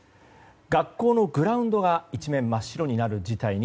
学校のグラウンドが一面真っ白になる事態に。